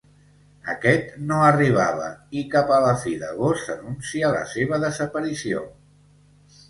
Aquest no arribava i cap a la fi d'agost s'anuncia la seva desaparició.